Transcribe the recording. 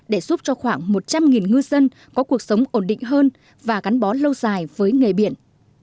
để giúp cho khoảng một trăm linh ngư dân có cuộc sống ổn định hơn và gắn bó lâu dài với nghề biển